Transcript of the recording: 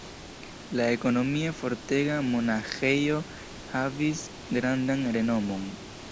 La ekonomie fortega monaĥejo havis grandan renomon.